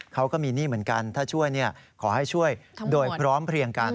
เขาก็มีหนี้เหมือนกันถ้าช่วยขอให้ช่วยโดยพร้อมเพลียงกัน